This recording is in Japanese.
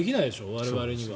我々には。